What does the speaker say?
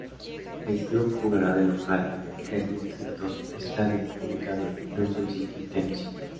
El club jugará de local en el Kermit-Tripton Stadium ubicado en Johnson City, Tennessee.